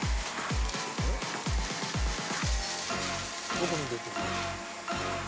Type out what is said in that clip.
どこに出てくるの？